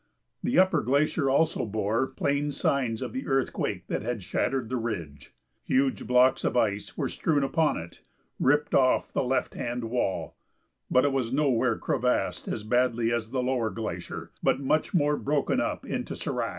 The upper glacier also bore plain signs of the earthquake that had shattered the ridge. Huge blocks of ice were strewn upon it, ripped off the left hand wall, but it was nowhere crevassed as badly as the lower glacier, but much more broken up into sérac.